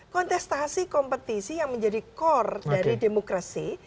kontestasi kompetisi yang menjadi core dari demokrasi